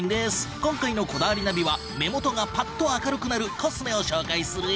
今回の『こだわりナビ』は目元がパッと明るくなるコスメを紹介するよ。